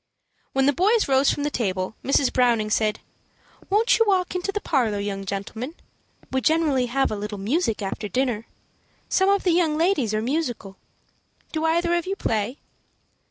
When the boys rose from the table, Mrs. Browning said, "Won't you walk into the parlor, young gentlemen? We generally have a little music after dinner. Some of the young ladies are musical. Do either of you play?"